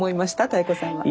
妙子さんは。